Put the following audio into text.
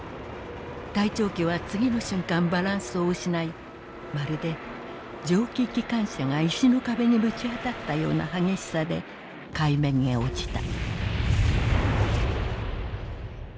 隊長機はつぎの瞬間バランスを失いまるで蒸気機関車が石の壁にぶちあたったような激しさで海面へ落ちた」。